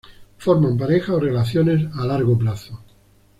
Forman pareja o relaciones a largo plazo.